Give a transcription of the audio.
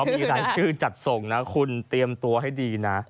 มีรายชื่อจัดส่งนะคุณเตรียมตัวให้ดีนะ